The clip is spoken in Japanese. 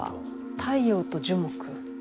太陽と樹木。